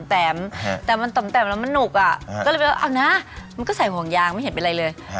แม่ขัวขวงคิ้วของนั่งบดดาย